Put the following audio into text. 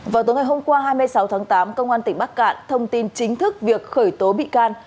vào tối ngày hôm qua hai mươi sáu tháng tám công an tỉnh bắc cạn thông tin chính thức việc khởi tố bị can